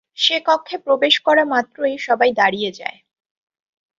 সে কক্ষে প্রবেশ করা মাত্রই সবাই দাঁড়িয়ে যায়।